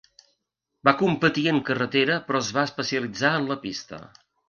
Va competir en carretera però es va especialitzar en la pista.